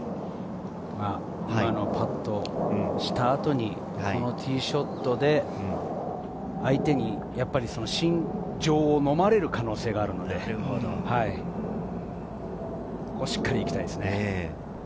今のパットした後にこのティーショットで相手に心情をのまれる可能性があるので、ここはしっかりいきたい